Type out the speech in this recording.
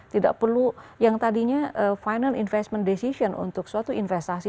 tidak perlu yang tadinya final investment decision untuk suatu investasi